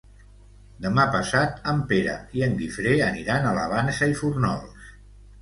Demà passat en Pere i en Guifré aniran a la Vansa i Fórnols.